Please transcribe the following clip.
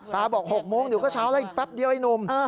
บอก๖โมงเดี๋ยวก็เช้าแล้วอีกแป๊บเดียวไอ้หนุ่ม